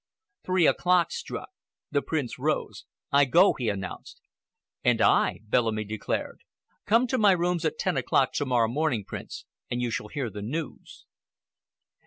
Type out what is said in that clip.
Three o'clock struck. The Prince rose. "I go," he announced. "And I," Bellamy declared. "Come to my rooms at ten o'clock tomorrow morning, Prince, and you shall hear the news."